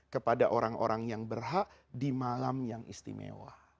kepada orang orang yang berhak di malam yang istimewa